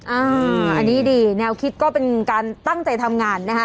อันนี้ดีแนวคิดก็เป็นการตั้งใจทำงานนะคะ